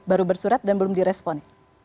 baru bersurat dan belum direspon